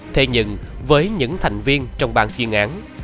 thế nhưng với những thành viên trong ban chuyên án